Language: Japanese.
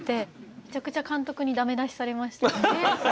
めちゃくちゃ監督に駄目出しされましたよね。